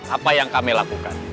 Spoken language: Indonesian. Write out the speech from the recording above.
apa yang kami lakukan